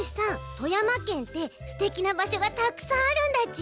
富山県ってすてきなばしょがたくさんあるんだち？